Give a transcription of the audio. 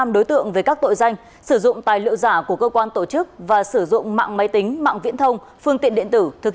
rồi tôi đưa chứng minh thư